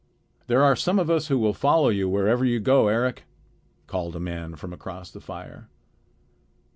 "There are some of us who will follow you wherever you go, Eric," called a man from across the fire.